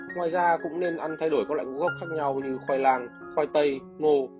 ngoài ra cũng nên ăn thay đổi các loại ngũ gốc khác nhau như khoai lang khoai tây ngô